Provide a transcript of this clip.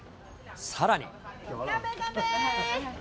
さらに。